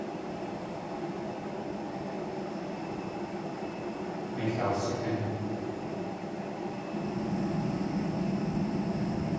Neil awsi.ín.